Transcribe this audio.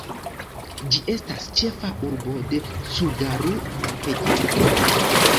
Ĝi estas ĉefa urbo de Cugaru-regiono.